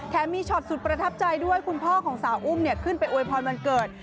มีช็อตสุดประทับใจด้วยคุณพ่อของสาวอุ้มขึ้นไปอวยพรวันเกิด